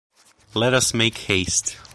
Let us make haste.